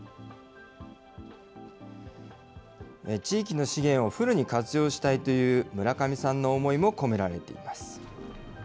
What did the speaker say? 地域の資源をフルに活用したいという村上さんの思いも込められています。